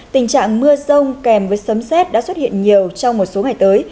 tình trạng mưa rông kèm với sấm xét đã xuất hiện nhiều trong một số ngày tới